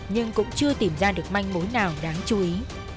nhưng cũng chưa tìm ra được manh mối nào đáng chú ý